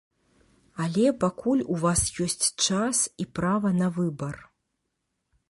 Але пакуль у вас ёсць час і права на выбар.